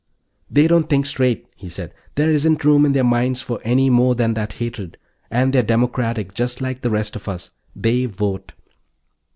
"They don't think straight," he said. "There isn't room in their minds for any more than that hatred. And they're democratic, just like the rest of us. They vote."